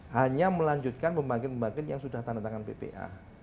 hanya melanjutkan pembangkit pembangkit yang sudah tanda tangan bpa